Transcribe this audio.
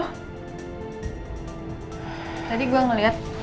tadi gue ngeliat